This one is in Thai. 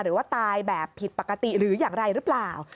หรือว่าตายแบบผิดปกติหรืออย่างไรหรือเปล่า